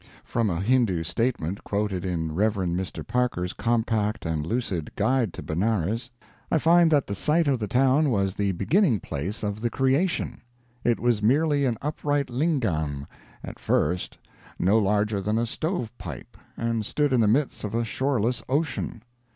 From a Hindoo statement quoted in Rev. Mr. Parker's compact and lucid Guide to Benares, I find that the site of the town was the beginning place of the Creation. It was merely an upright "lingam," at first, no larger than a stove pipe, and stood in the midst of a shoreless ocean.